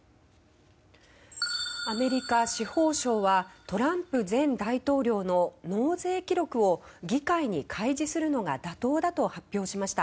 アメリカ司法省はトランプ前大統領の納税記録を議会に開示するのが妥当だと発表しました。